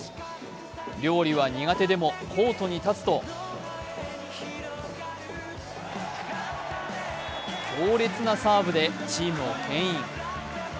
料理は苦手でもコートに立つと強烈なサーブでチームをけん引。